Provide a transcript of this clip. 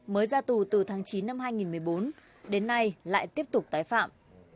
mới ra tù từ tháng chín năm hai nghìn một mươi bốn đến nay lại tiếp tục tái phạm